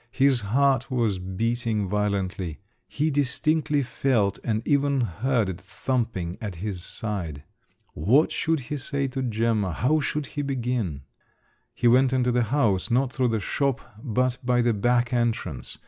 His heart was beating violently; he distinctly felt, and even heard it thumping at his side. What should he say to Gemma, how should he begin? He went into the house, not through the shop, but by the back entrance.